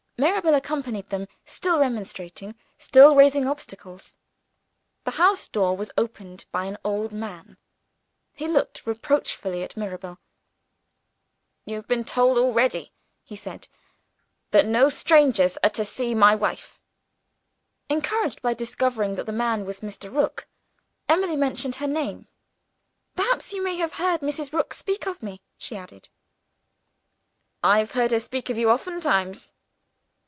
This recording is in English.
Mirabel accompanied them, still remonstrating, still raising obstacles. The house door was opened by an old man. He looked reproachfully at Mirabel. "You have been told already," he said, "that no strangers are to see my wife?" Encouraged by discovering that the man was Mr. Rook, Emily mentioned her name. "Perhaps you may have heard Mrs. Rook speak of me," she added. "I've heard her speak of you oftentimes."